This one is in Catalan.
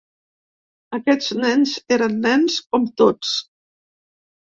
Aquests nens eren nens com tots.